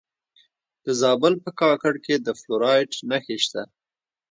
د زابل په کاکړ کې د فلورایټ نښې شته.